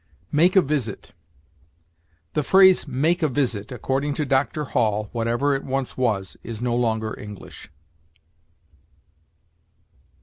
MAKE A VISIT. The phrase "make a visit," according to Dr. Hall, whatever it once was, is no longer English.